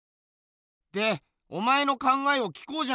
でお前の考えを聞こうじゃないか。